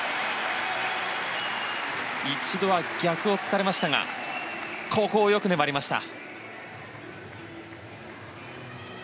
一度は逆を突かれましたがよく粘りました。